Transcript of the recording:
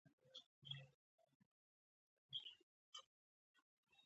موږ د اصولو خاوندان نه یو.